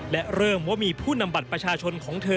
และเริ่มว่ามีผู้นำบัตรประชาชนของเธอ